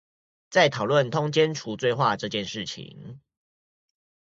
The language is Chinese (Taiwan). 在討論通姦除罪化這件事情